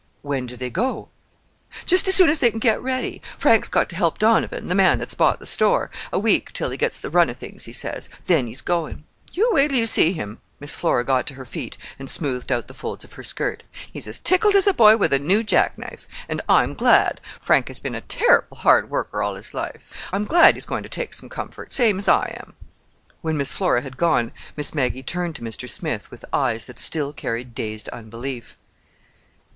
"When do they go?" "Just as soon as they can get ready. Frank's got to help Donovan, the man that's bought the store, a week till he gets the run of things, he says. Then he's going. You wait till you see him." Miss Flora got to her feet, and smoothed out the folds of her skirt. "He's as tickled as a boy with a new jack knife. And I'm glad. Frank has been a turrible hard worker all his life. I'm glad he's going to take some comfort, same as I am." When Miss Flora had gone, Miss Maggie turned to Mr. Smith with eyes that still carried dazed unbelief.